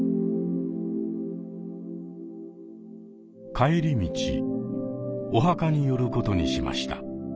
帰り道お墓に寄ることにしました。